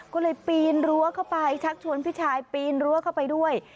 ก็เลยปีนรั้วเข้าไปชักชวนพี่ชายปีนรั้วเข้าไปด้วย